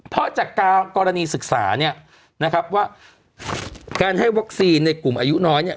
เพราะจากกรณีศึกษาเนี่ยนะครับว่าการให้วัคซีนในกลุ่มอายุน้อยเนี่ย